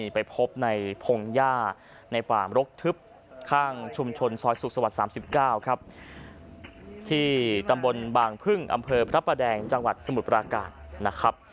ไปพบในพงหญ้าในป่ามรกทึบข้างชุมชนซอยสุขสวรรค์๓๙ครับที่ตำบลบางพึ่งอำเภอพระประแดงจังหวัดสมุทรปราการนะครับ